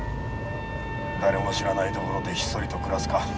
誰も知らない所でひっそりと暮らすか。